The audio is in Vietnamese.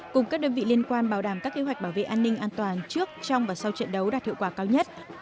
cùng các đơn vị liên quan bảo đảm các kế hoạch bảo vệ an ninh an toàn trước trong và sau trận đấu đạt hiệu quả cao nhất